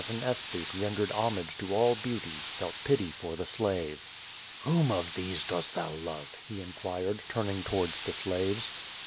105 an aesthete rendered homage to all beauty, felt pity for the slave. "Whom of these dost thou love?^^ he inquired, turning towards the slaves.